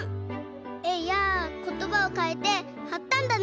えやことばをかいてはったんだね。